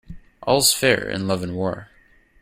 All's fair in love and war.